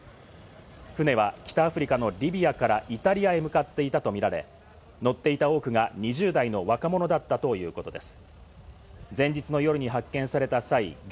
船は北アフリカのリビアからイタリアへ向かっていたとみられ、乗っていた多くが２０代の若者だったということです。